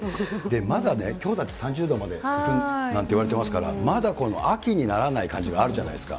まだね、きょうだって３０度までいくなんていわれてますから、まだこの秋にならない感じがあるじゃないですか。